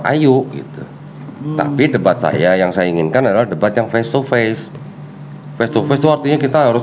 apa yang saya inginkan adalah debat yang face to face face to face artinya kita harus